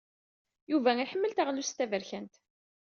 Yuba iḥemmel taɣlust taberkant.